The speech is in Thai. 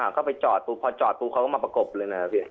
ก็ไปจอดกูพอจอดเขาก็มาประกบเลย